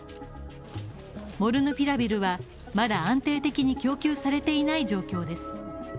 モルヌピラビルはまだ安定的に供給されていない状況です。